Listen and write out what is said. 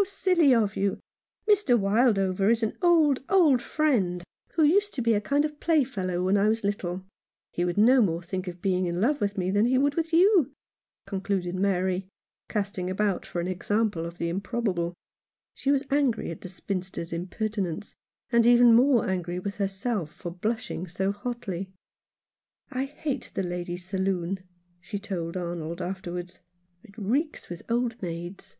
" How silly of you ! Mr. Wildover is an old, old 56 Alone in London. friend, who used to be a kind of playfellow when I was little. He would no more think of being in love with me than he would with you," concluded Mary, casting about for an example of the im probable. She was angry at the spinster's impertinence, and even more angry with herself for blushing so hotly. "J hate the ladies' saloon," she told Arnold, afterwards. " It reeks with old maids."